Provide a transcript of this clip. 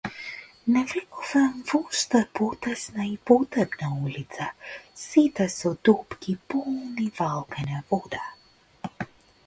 Навлегувам во уште потесна и потемна улица, сета со дупки полни валкана вода.